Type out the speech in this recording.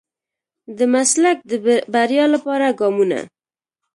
د مسلک د بريا لپاره ګامونه.